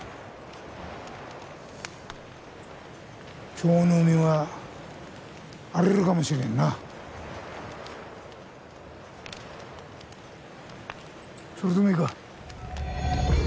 今日の海は荒れるかもしれんなそれでもいいか？